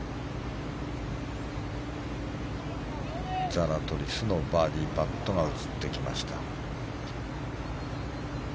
ザラトリスのバーディーパットが映ってきました。